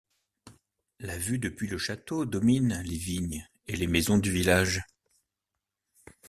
La vue depuis le château, domine les vignes et les maisons du village.